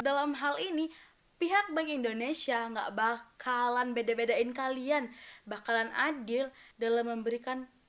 dalam hal ini pihak bank indonesia enggak bakalan beda bedain kalian bakalan adil dalam memberikan